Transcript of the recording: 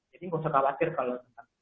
jadi gak usah khawatir kalau